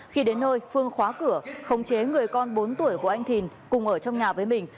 khi đến nơi phương khóa cửa khống chế người con bốn tuổi của anh thìn cùng ở trong nhà với mình